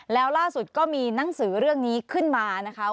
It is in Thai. แล้วล่าสุดก็มีหนังสือเรื่องนี้ขึ้นมานะคะ